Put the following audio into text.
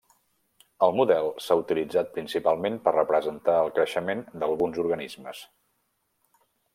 El model s'ha utilitzat principalment per representar el creixement d'alguns organismes.